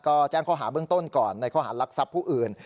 ก็แจ้งข้อหาเบื้องต้นก่อนในข้อหารลักทรัพย์ผู้อื่น